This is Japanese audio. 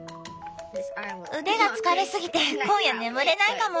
腕が疲れすぎて今夜眠れないかも。